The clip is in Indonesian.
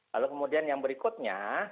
lalu kemudian yang berikutnya